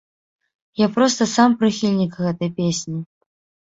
Я проста сам прыхільнік гэтай песні.